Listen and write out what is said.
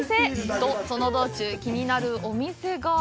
と、その道中、気になるお店が。